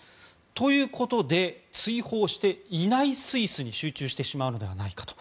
ということで追放していないスイスに集中してしまうのではないかと。